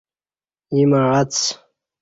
ییں مع اڅ۔